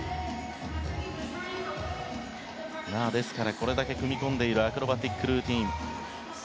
これだけ組み込んでいるアクロバティックルーティン。